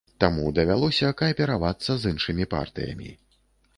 Таму давялося кааперавацца з іншымі партыямі.